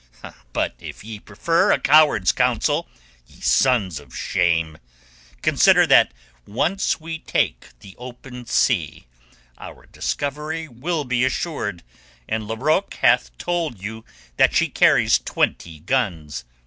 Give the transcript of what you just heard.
But if ye prefer a coward's counsel, ye sons of shame, consider that once we take the open sea our discovery will be assured, and Larocque hath told you that she carries twenty guns.